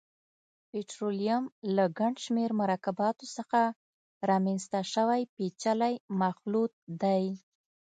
پټرولیم له ګڼشمېر مرکباتو څخه رامنځته شوی پېچلی مخلوط دی.